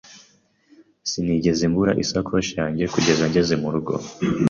Sinigeze mbura isakoshi yanjye kugeza ngeze mu rugo.